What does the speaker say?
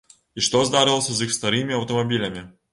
І што здарылася з іх старымі аўтамабілямі?